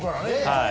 はい。